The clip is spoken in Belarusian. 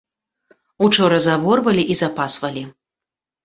Учора заворвалі і запасвалі.